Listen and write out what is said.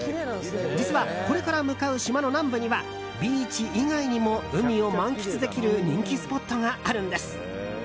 実はこれから向かう島の南部にはビーチ以外にも海を満喫できる人気スポットがあるんです。